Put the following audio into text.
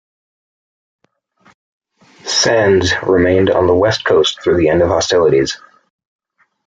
"Sands" remained on the west coast through the end of hostilities.